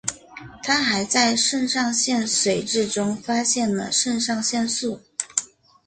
他还在肾上腺髓质中发现了肾上腺素。